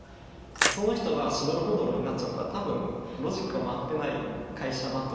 その人がしどろもどろになっちゃったら多分ロジックが回ってない会社だと思うんですよ。